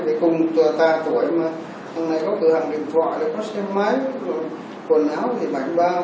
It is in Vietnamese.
vì cùng tờ tài tuổi mà thằng này có cửa hàng điện thoại nó có xem máy quần áo thì bảnh bao